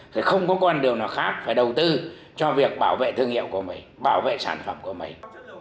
rồi không có con đường nào khác phải đầu tư cho việc bảo vệ thương hiệu của mình bảo vệ sản phẩm của mình